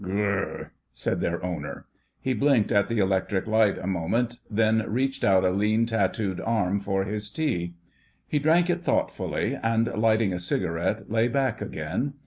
"Gr r r!" said their owner. He blinked at the electric light a moment, then reached out a lean, tatooed arm for his tea. He drank it thoughtfully, and, lighting a cigarette, lay back again.